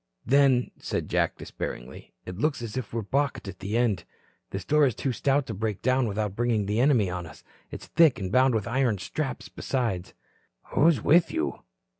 "Then," said Jack, despairingly, "it looks as if we were balked at the end. This door is too stout to break down without bringing the enemy on us. It's thick and bound with iron straps besides." "Who is with you?"